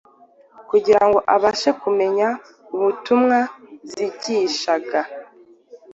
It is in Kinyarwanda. kugira ngo abashe kumenya ubutumwa zigishaga,